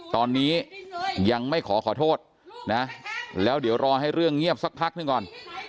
ตอนนี้ยังไม่ขอขอโทษนะแล้วเดี๋ยวรอให้เรื่องเงียบสักพักหนึ่งก่อน